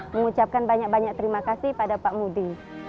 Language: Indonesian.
mengucapkan banyak banyak terima kasih pada pak mudi